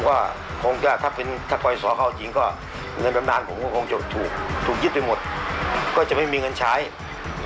ยาท่าน้ำขาวไทยนครเพราะทุกการเดินทางของคุณจะมีแต่รอยยิ้ม